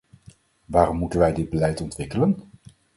Waarom moeten wij dit beleid ontwikkelen?